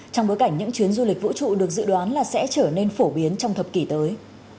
trong bối cảnh những chuyến du lịch vũ trụ được dự đoán là sẽ trở nên phổ biến trong thập kỷ tới